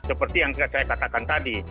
seperti yang saya katakan tadi